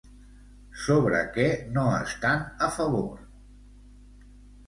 Sobre què no estan a favor?